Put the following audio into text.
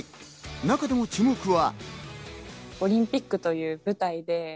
中でも注目は。